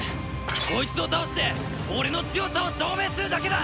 こいつを倒して俺の強さを証明するだけだ！